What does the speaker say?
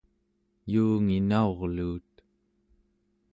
yuungina'urluut